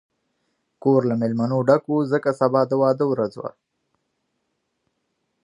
کور له مېلمنو ډک و، ځکه سبا د واده ورځ وه.